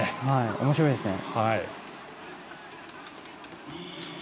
おもしろいですね。